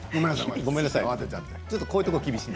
ごめんなさい